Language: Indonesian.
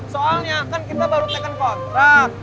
soalnya kan kita baru taken kontrak